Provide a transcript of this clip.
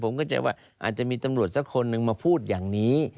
ผมเข้าใจว่าอาจจะมีตำรวจสักคนหนึ่งมาพูดอย่างนี้